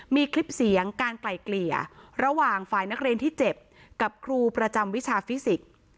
มีคลิปเสียงการไกล่เกลี่ยระหว่างฝ่ายนักเรียนที่เจ็บกับครูประจำวิชาฟิสิกส์